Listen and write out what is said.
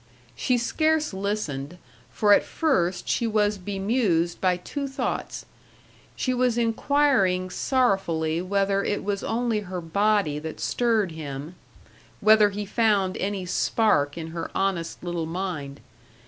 She scarce listened, for at first she was bemused by two thoughts. She was inquiring sorrowfully whether it was only her body that stirred him whether he found any spark in her honest little mind.